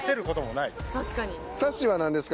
さっし−は何ですか？